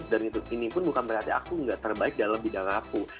dan ini pun bukan berarti aku gak terbaik dalam bidang aku